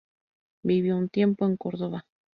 Vivió un tiempo en Córdoba.